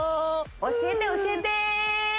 教えて教えて！